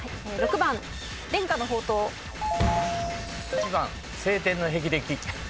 １番青天の霹靂。